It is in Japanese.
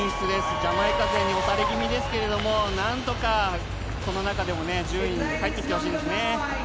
ジャマイカ勢に押され気味ですけれど、何とかこの中で順位に入ってきてほしいですね。